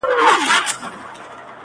یاره وتله که چيري د خدای خپل سوې,